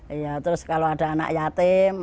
iya terus kalau ada anak yatim